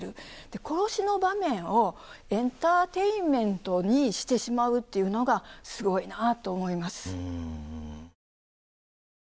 で殺しの場面をエンターテインメントにしてしまうというのがすごいなと思います。